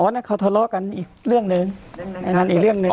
อ๋อนั่นเขาทะเลาะกันอีกเรื่องหนึ่ง